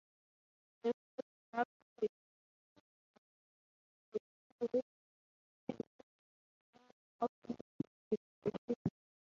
The photographic repetition accentuates the symbolic significance of this phenomenon of endless regeneration.